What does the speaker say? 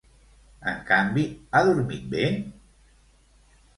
En canvi, ha dormit bé?